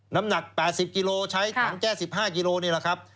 น้ำหนัก๘๐กิโลใช้ถังแก้๑๕กิโลนี่แหละครับ